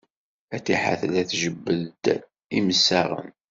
Fatiḥa tella tjebbed-d imsaɣen.